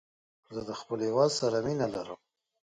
زه د خپل هېواد سره مینه لرم.